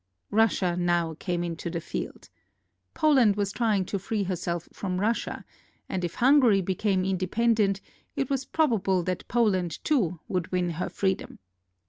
Russia now came into the field. Poland was trying to free herself from Russia; and if Hungary became independent, it was probable that Poland, too, would win her freedom.